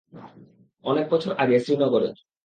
অনেক বছর আগে শ্রীনগরে।